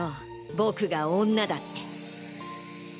僕が女だって。